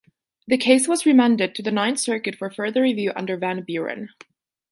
The case was remanded to the Ninth Circuit for further review under "Van Buren".